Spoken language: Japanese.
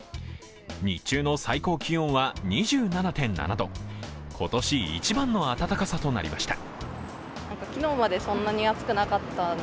日中の最高気温は２７．７度、今年一番の暖かさとなりました。